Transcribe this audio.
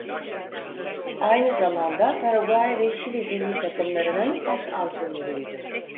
Aynı zamanda Paraguay ve Şili millî takımlarının başantrenörüydü.